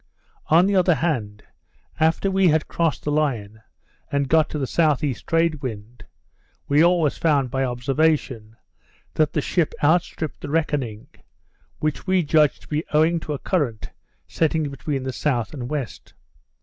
On the other hand, after we had crossed the Line, and got the S.E. trade wind, we always found, by observation, that the ship outstripped the reckoning, which we judged to be owing to a current setting between the south and west.